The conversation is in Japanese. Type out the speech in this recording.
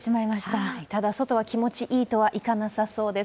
ただ、外は気持ちいいとはいかなさそうです。